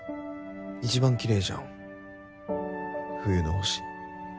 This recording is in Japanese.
一番きれいじゃん冬の星。